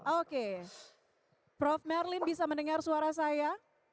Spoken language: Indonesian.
oke prof merlin bisa mendengar suara saya